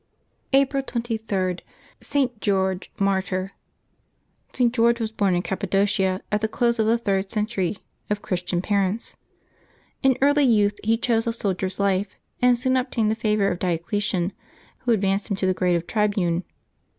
Apwt 23] LIVES OF THE SAINTS 155 April 23.— ST. GEORGE, Martyr. [t. George was born in Cappadocia, at the close of the third century, of Christian parents. In early youth he chose a soldier's life, and soon obtained the favor of Diocletian, who advanced him to the grade of tribune.